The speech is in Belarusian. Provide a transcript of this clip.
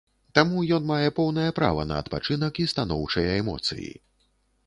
Таму ён мае поўнае права на адпачынак і станоўчыя эмоцыі.